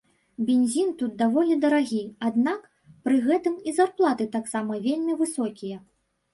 Бензін тут даволі дарагі, аднак, пры гэтым і зарплаты таксама вельмі высокія.